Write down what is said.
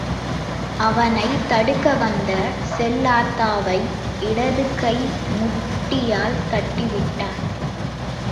அவனைத் தடுக்க வந்த செல்லாத்தாவை இடதுகை முட்டியால் தட்டிவிட்டான்.